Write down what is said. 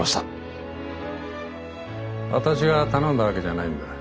私が頼んだわけじゃないんだ。